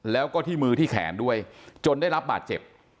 แล้วก็ที่มือที่แขนด้วยจนได้รับบาดเจ็บ